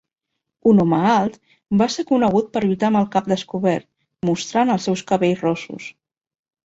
Un home alt, va ser conegut per lluitar amb el cap descobert, mostrant els seus cabells rossos.